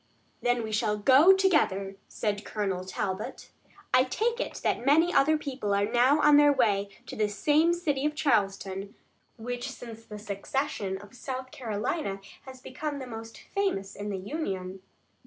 "Then we shall go together," said Colonel Talbot. "I take it that many other people are now on their way to this same city of Charleston, which since the secession of South Carolina has become the most famous in the Union."